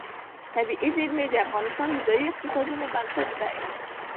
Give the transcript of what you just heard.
طبیعي زیرمې د افغانستان د ځایي اقتصادونو بنسټ دی.